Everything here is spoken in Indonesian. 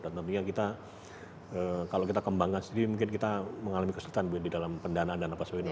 dan tentunya kita kalau kita kembangkan mungkin kita mengalami kesulitan di dalam pendanaan dan apa sebagainya